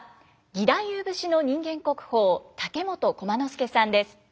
義太夫節の人間国宝竹本駒之助さんです。